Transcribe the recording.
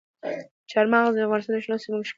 چار مغز د افغانستان د شنو سیمو ښکلا ده.